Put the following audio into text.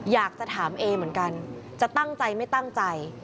อยากจะถามเอเหมือนกันจะตั้งใจไม่ตั้งใจ